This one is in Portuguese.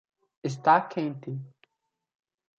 Está quente.